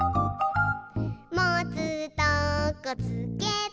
「もつとこつけて」